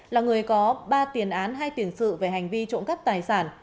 là người có ba tiền án hai tiền sự về hành vi trộn cắp tài sản